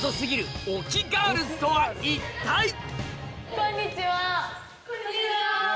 こんにちは！